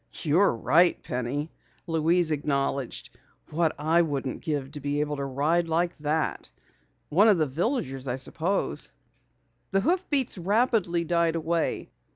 "You're right, Penny," Louise acknowledged. "What wouldn't I give to be able to ride like that! One of the villagers, I suppose." The hoofbeats rapidly died away.